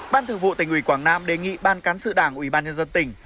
ban thường vụ tỉnh ủy quảng nam đề nghị ban cán sự đảng ủy ban nhân dân tỉnh